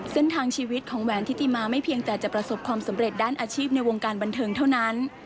เส้นทางชีวิตของแหวนทิติมาไม่เพียงแต่จะประสบความสำเร็จด้านอาชีพในวงการบันเทิงเท่านั้น